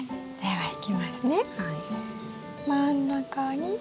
はい。